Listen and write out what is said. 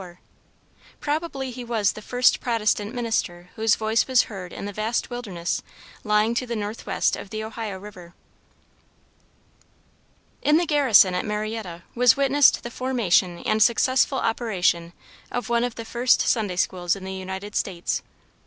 Probably he was the first Protestant minister whose voice was heard in the vast wilderness lying to the northwest of the Ohio river. In the garrison at Marietta, was witnessed the formation and successful operation of one of the first Sunday schools in the United States.